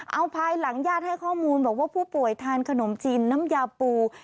เอาภายหลังญาติให้ข้อมูลบอกว่าผู้ป่วยทานขนมจีนน้ำยาปู